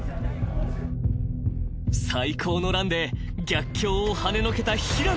［最高のランで逆境をはねのけた平野］